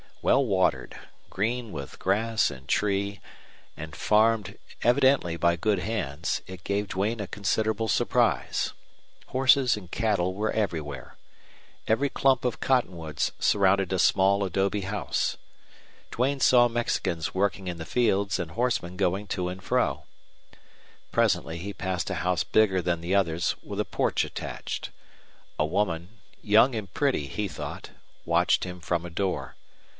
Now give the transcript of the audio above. Well watered, green with grass and tree, and farmed evidently by good hands, it gave Duane a considerable surprise. Horses and cattle were everywhere. Every clump of cottonwoods surrounded a small adobe house. Duane saw Mexicans working in the fields and horsemen going to and fro. Presently he passed a house bigger than the others with a porch attached. A woman, young and pretty he thought, watched him from a door.